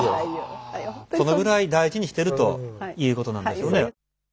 そのぐらい大事にしてるということなんでしょうね。